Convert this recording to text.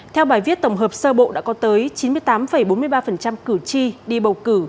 theo bài viết tổng hợp sơ bộ đã có tới chín mươi tám bốn mươi ba cử tri đi bầu cử